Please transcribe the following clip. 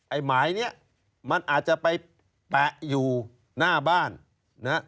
ไอ้หมายเนี่ยมันอาจจะไปแปะอยู่หน้าบ้านนะฮะ